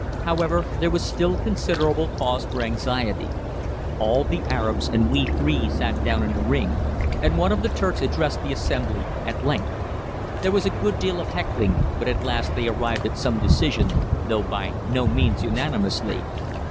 However, there was still considerable cause for anxiety. All the Arabs and we three sat down in a ring, and one of the Turks addressed the assembly at length. There was a good deal of heckling, but at last they arrived at some decision, though by no means unanimously.